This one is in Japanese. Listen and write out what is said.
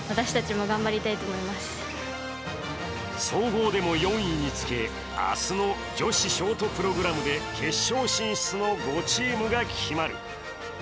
総合でも４位につけ、明日の女子ショートプログラムで決勝進出の５チームが決まる。